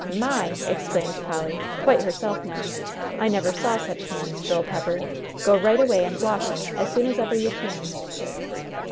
"My!" exclaimed Polly, quite herself, now. "I never saw such hands, Joel Pepper! Go right away and wash 'em as soon as ever you can."